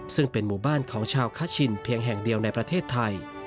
ซึ่งเป็นหมู่บ้านของชาวคชินเพียงแห่งเดียวในประเทศไทย